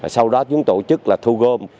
sau đó chúng tổ chức thu gom